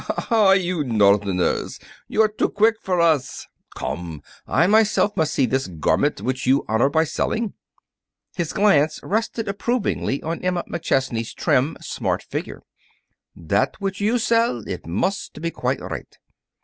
"Ah, you Northerners! You are too quick for us. Come; I myself must see this garment which you honor by selling." His glance rested approvingly on Emma McChesney's trim, smart figure. "That which you sell, it must be quite right."